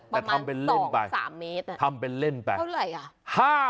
ประมาณ๒๓เมตรทำเป็นเล่นไปเท่าไหร่อ่ะ